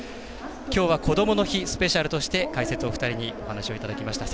きょうは「こどもの日スペシャル」として解説お二人にお話をいただきました。